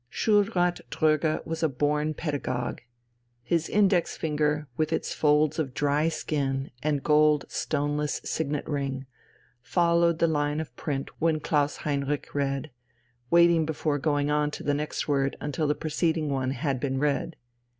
Schulrat Dröge was a born pedagogue. His index finger, with its folds of dry skin and gold stoneless signet ring, followed the line of print when Klaus Heinrich read, waiting before going on to the next word until the preceding one had been read.